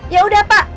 ya udah pak